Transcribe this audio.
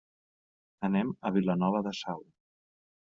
Anem a Vilanova de Sau.